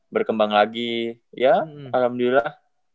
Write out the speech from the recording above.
berkembang lagi ya alhamdulillah